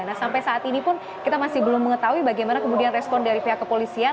nah sampai saat ini pun kita masih belum mengetahui bagaimana kemudian respon dari pihak kepolisian